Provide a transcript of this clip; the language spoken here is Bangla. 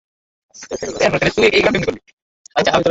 আগে এই বিশ্বচরাচরের অনেকখানি তাহার জীবনের বাহিরে পড়িয়া থাকিত।